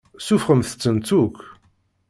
Suffɣemt-tent akk.